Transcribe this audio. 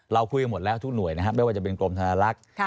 เราคุยกันหมดแล้วทุกหน่วยนะครับไม่ว่าจะเป็นกรมธนลักษณ์